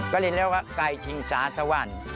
ก็เรียกเรียกว่าไก่ชิงชาสวรรค์